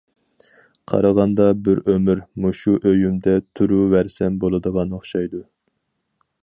قارىغاندا بىر ئۆمۈر مۇشۇ ئۆيۈمدە تۇرۇۋەرسەم بولىدىغان ئوخشايدۇ.